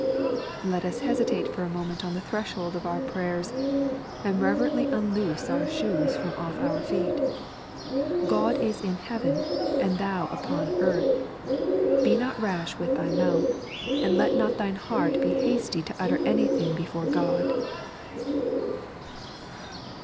Let us hesitate for a moment on the threshold of our prayers, and reverently unloose our shoes from off our feet. " Qod is in heaven, and thou upon earth ; be not rash with thy mouth, and let not thine heart be hasty to utter anything b^ore God."